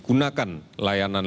gunakan layanan lainnya